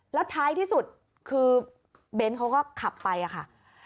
แล้วท้ายที่สุดคือเบนท์เขาก็ขับไปอะค่ะ